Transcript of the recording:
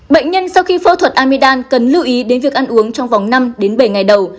bệnh nhân sau khi phẫu thuật amidam cần lưu ý đến việc ăn uống trong vòng năm đến bảy ngày đầu